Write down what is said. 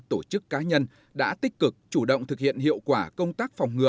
tổ chức cá nhân đã tích cực chủ động thực hiện hiệu quả công tác phòng ngừa